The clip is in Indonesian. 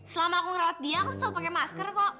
selama aku rat dia aku selalu pakai masker kok